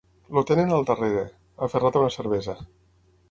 El tenen al darrere, aferrat a una cervesa.